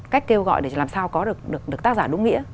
cách kêu gọi để làm sao có được tác giả đúng nghĩa